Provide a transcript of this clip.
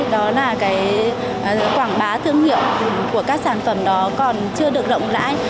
đó là cái quảng bá thương hiệu của các sản phẩm đó còn chưa được rộng rãi